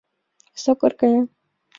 Сокыр кая.